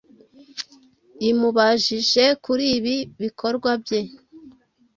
imubajije kuri ibi bikorwa bye